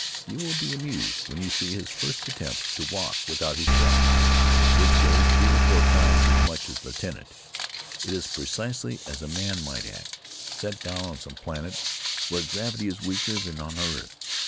You will be amused when you see his first attempts to walk without his shell, which weighs three or four times as much as the tenant; it is precisely as a man might act, set down on some planet where gravity is weaker than on our earth.